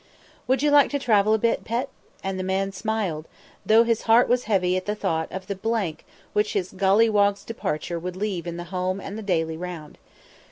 "Would you like to travel a bit, pet?" And the man smiled, though his heart was heavy at the thought of the blank which his Golliwog's departure would leave in the home and the daily round.